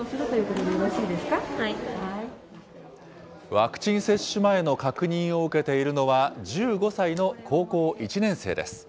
ワクチン接種前の確認を受けているのは、１５歳の高校１年生です。